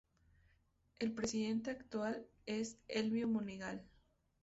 El Presidente actual es Elbio Monegal.